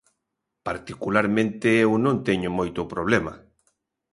Particularmente, eu non teño moito problema.